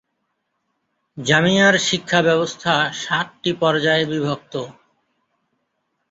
জামিয়ার শিক্ষাব্যবস্থা সাতটি পর্যায়ে বিভক্ত।